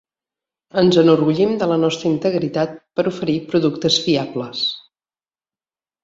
Ens enorgullim de la nostra integritat per oferir productes fiables.